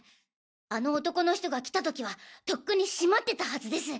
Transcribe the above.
あの男の人が来た時はとっくに閉まってたはずです。